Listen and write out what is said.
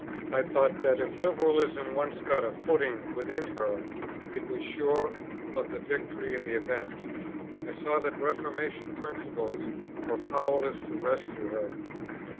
I thought that if Liberalism once got a footing within her, it was sure of the victory in the event. I saw that Reformation principles were powerless to rescue her.